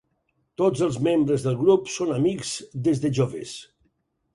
Tots els membres del grup són amics des de joves.